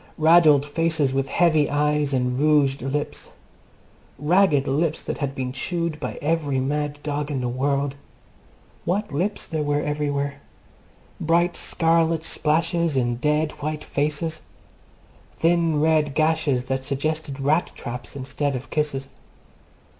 Raddled faces with heavy eyes and rouged lips. Ragged lips that had been chewed by every mad dog in the world. What lips there were everywhere! Bright scarlet splashes in dead white faces. Thin red gashes that suggested rat traps instead of kisses.